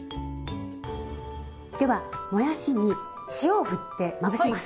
ではもやしに塩をふってまぶします。